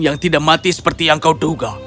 yang tidak mati seperti yang kau duga